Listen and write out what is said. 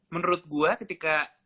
menurut gue ketika